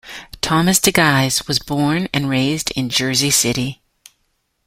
Thomas DeGise was born and raised in Jersey City.